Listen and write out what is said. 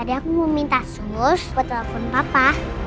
tadi aku mau minta sus buat telepon papa